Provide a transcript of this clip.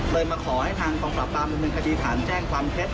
เลยมาขอให้ทางตรงขวับตามดำเนินคดีฐานแจ้งความเท็จ